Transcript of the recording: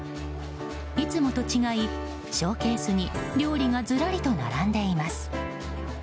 いつもと違い、ショーケースに料理がずらりと並んでいます。